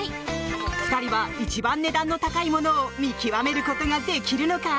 ２人は一番値段の高いものを見極めることができるのか。